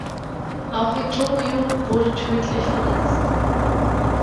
Auch Victorio wurde tödlich verletzt.